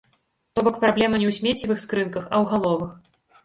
То бок праблема не ў смеццевых скрынках, а ў галовах.